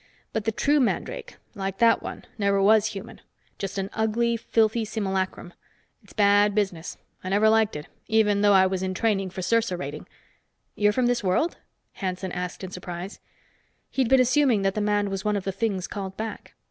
But the true mandrake like that one never was human. Just an ugly, filthy simulacrum. It's bad business. I never liked it, even though I was in training for sersa rating." "You're from this world?" Hanson asked in surprise. He'd been assuming that the man was one of the things called back.